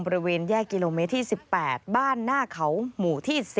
บริเวณแยกกิโลเมตรที่๑๘บ้านหน้าเขาหมู่ที่๔